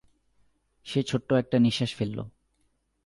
সে ছোট্ট একটা নিঃশ্বাস ফেলল।